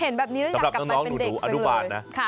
สำหรับน้องหนูอันดุบาลนะ